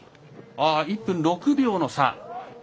１分６秒の差。